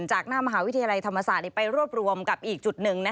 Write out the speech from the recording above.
จากหน้ามหาวิทยาลัยธรรมศาสตร์ไปรวบรวมกับอีกจุดหนึ่ง